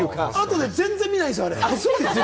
後で全然見ないんですよ。